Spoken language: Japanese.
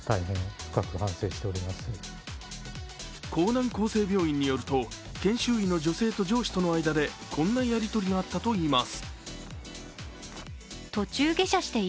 江南厚生病院によると研修医の女性と上司との間でこんなやりとりがあったといいます。